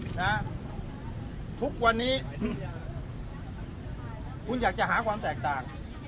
นะทุกวันนี้คุณอยากจะหาความแตกต่าง